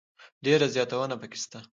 ډېر زياتونه پکښي سته.